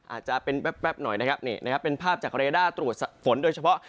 อาจจะเป็นแป๊บหน่อยนะครับนี่นะครับเป็นภาพจากเรด้าตรวจฝนโดยเฉพาะ